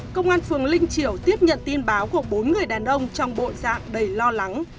công an phường linh triểu tiếp nhận tin báo của bốn người đàn ông trong bộ dạng đầy lo lắng